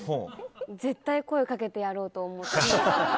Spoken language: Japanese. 絶対声をかけてやろうと思って。